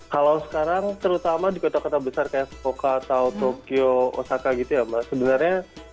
kalau sekarang terutama di kota kota besar kayak fuka atau tokyo osaka gitu ya mbak sebenarnya